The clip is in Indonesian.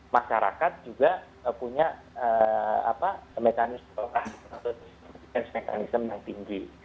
masyarakat juga punya mekanisme yang tinggi